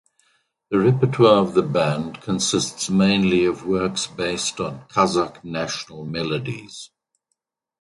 The repertoire of the band consists mainly of works based on Kazakh national melodies.